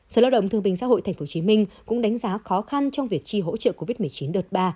sở lao động thương bình xã hội tp hcm cũng đánh giá khó khăn trong việc chi hỗ trợ covid một mươi chín đợt ba